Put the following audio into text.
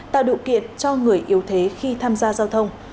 tạo điều kiện cho người yếu thế khi tham gia giao thông